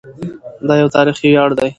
دا یو تاریخي ویاړ دی.